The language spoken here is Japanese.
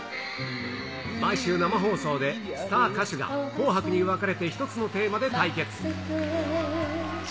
毎週生放送でスター歌手が紅白に分かれて１つのテーマで対決。